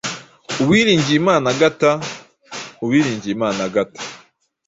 Uwilingiyimana Agatha:Uwilingiyimana Agatha